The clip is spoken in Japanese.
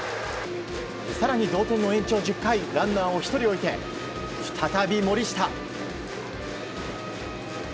更に、同点の延長１０回ランナーを１人置いて、再び森下。